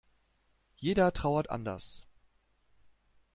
Jeder trauert anders.